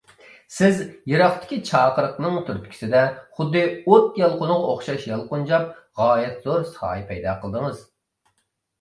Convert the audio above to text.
سىز يىراقتىكى چاقىرىقنىڭ تۈرتكىسىدە، خۇددى ئوت يالقۇنىغا ئوخشاش يالقۇنجاپ، غايەت زور سايە پەيدا قىلدىڭىز.